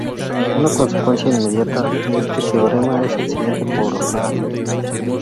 Una consecuencia inmediata de este teorema es el siguiente corolario.